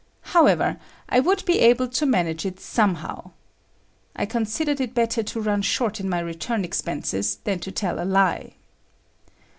However, I would be able to manage it somehow. I considered it better to run short in my return expenses than to tell a lie.